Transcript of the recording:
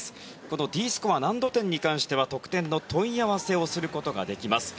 このＤスコア、難度点に関しては得点の問い合わせをすることができます。